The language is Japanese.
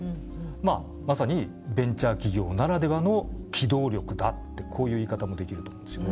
まさにベンチャー企業ならではの機動力だってこういう言い方もできると思うんですよね。